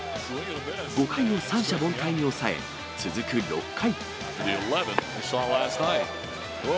５回を三者凡退に抑え、続く６回。